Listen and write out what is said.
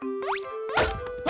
あ！